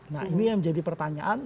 nah ini yang menjadi pertanyaan